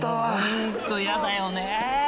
ホントやだよね。